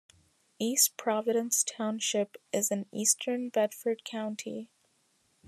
East Providence Township is in eastern Bedford County.